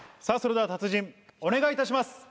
さぁそれでは達人お願いいたします。